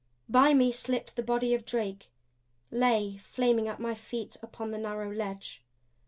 By me slipped the body of Drake; lay flaming at my feet upon the narrow ledge.